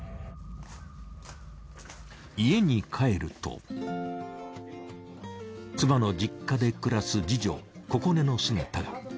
家に帰ると妻の実家で暮らす次女心寧の姿が。